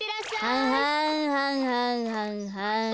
ははんはんはんはんはん。